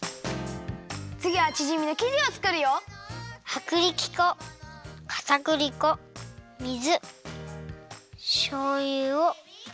つぎはチヂミのきじをつくるよ。はくりき粉かたくり粉水しょうゆを。